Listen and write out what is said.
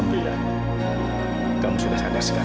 amira kamu sudah sangat segar